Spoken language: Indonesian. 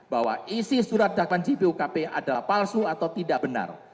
bahwa isi surat dato'an jpu kpk ini adalah palsu atau tidak benar